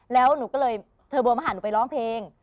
แล้วหนูก็เลยเธอโทรมาหาหนูไปร้องเพลง